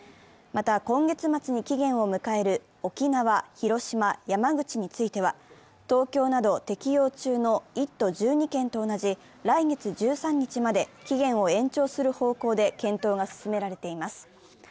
また、今月末に期限を迎える沖縄、広島、山口については、東京など適用中の１都１２県と同じ来月１３日まで期限を延長する方向で検討が進められています。